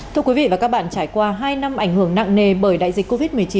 thưa quý vị và các bạn trải qua hai năm ảnh hưởng nặng nề bởi đại dịch covid một mươi chín